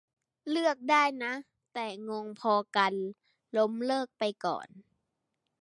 เลือกได้นะ แต่งงพอกัน ล้มเลิกไปก่อน